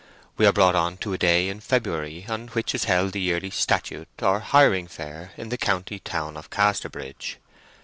We are brought on to a day in February, on which was held the yearly statute or hiring fair in the county town of Casterbridge.